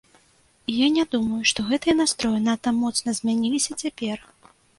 І я не думаю, што гэтыя настроі надта моцна змяніліся цяпер.